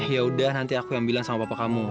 yaudah nanti aku yang bilang sama papa kamu